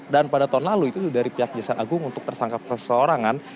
dan pada tahun lalu itu dari pihak jasa agung untuk tersangka perorangan